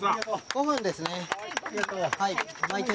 ５分ですね。